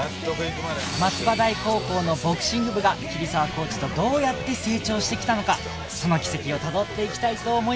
松葉台高校のボクシング部が桐沢コーチとどうやって成長してきたのかその軌跡をたどっていきたいと思います